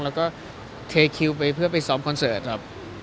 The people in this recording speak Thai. แล้วก็เทคิวไปเพื่อไปซ้อมคอนเสิร์ตครับ